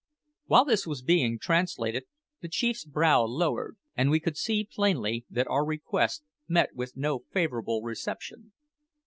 While this was being translated the chief's brow lowered, and we could see plainly that our request met with no favourable reception.